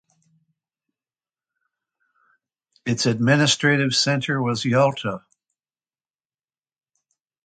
Its administrative centre was Yalta.